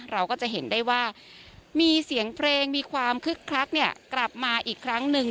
เราก็จะเห็นได้ว่ามีเสียงเพลงมีความคึกคักกลับมาอีกครั้งหนึ่ง